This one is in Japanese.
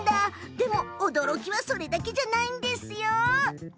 でも、驚きはそれだけじゃないんですよ。